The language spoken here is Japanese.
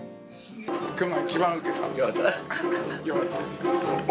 きょうが一番ウケた。